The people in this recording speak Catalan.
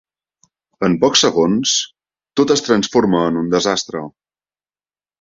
En pocs segons, tot es transforma en un desastre.